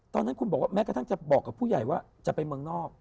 ตอนนั้นคุณบอกว่าแม้กระทั่งจะบอกกับผู้ใหญ่ว่าจะไปเมืองนอก